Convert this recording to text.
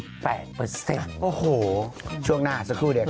จุดแปลกเปอร์เซ็นต์โอ้โหช่วงหน้าสักครู่เดี๋ยวครับ